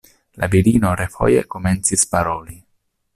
La virino refoje komencis paroli.